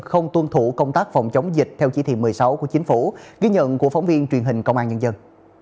không tuân thủ công tác phòng chống dịch theo chỉ thị một mươi sáu của chính phủ ghi nhận của phóng viên truyền hình công an nhân dân